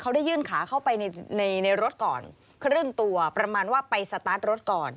เขาได้ยื่นขาเข้าไปในรถก่อนครึ่งตัวประมาณว่าไปสตาร์ทรถก่อน